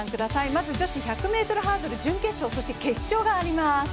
まず女子１００ｍハードル準決勝、そして決勝があります。